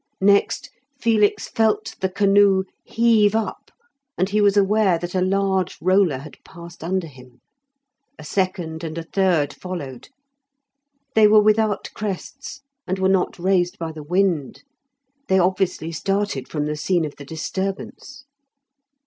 Next Felix felt the canoe heave up, and he was aware that a large roller had passed under him. A second and a third followed. They were without crests, and were not raised by the wind; they obviously started from the scene of the disturbance.